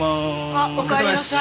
あっおかえりなさい。